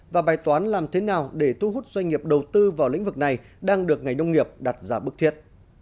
và bài toán làm thế nào để thu hút doanh nghiệp đầu tư vào lĩnh vực này đang được ngành nông nghiệp đặt ra bức thiết